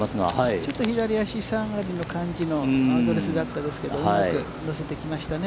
ちょっと左足下がりの感じのアドレスだったんですけれども、うまく乗せてきましたね。